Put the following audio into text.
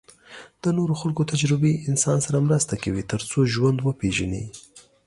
د نورو خلکو تجربې انسان سره مرسته کوي تر څو ژوند وپېژني.